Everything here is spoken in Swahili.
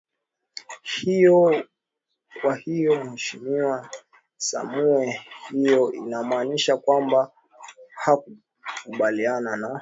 hiyo kwa hiyo mheshimiwa sumae hiyo inamaanisha kwamba hukubaliani na